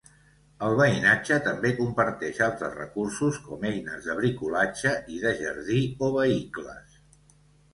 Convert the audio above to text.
El veïnatge també comparteix altres recursos com eines de bricolatge i de jardí o vehicles.